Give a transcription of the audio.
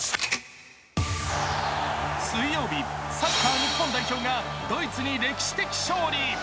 水曜日、サッカー日本代表がドイツに歴史的勝利。